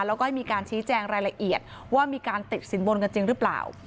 แล้วก็ให้มีการชี้แจงรายละเอียดว่ามีการติดสินบนกันจริงหรือเปล่า